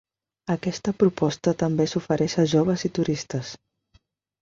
Aquesta proposta també s'ofereix a joves i turistes.